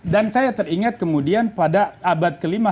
dan saya teringat kemudian pada abad kelima